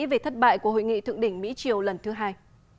về thất bại của hội nghị thượng đỉnh mỹ triều lần thứ hai